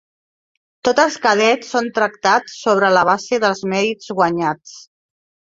Tots els cadets són tractats sobre la base dels mèrits guanyats.